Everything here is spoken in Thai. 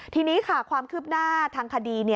ทีนี้ค่ะความคืบหน้าทางคดี